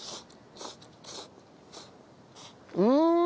うん！